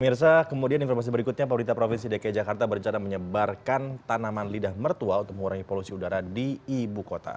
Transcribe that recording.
mirsa kemudian informasi berikutnya pemerintah provinsi dki jakarta berencana menyebarkan tanaman lidah mertua untuk mengurangi polusi udara di ibu kota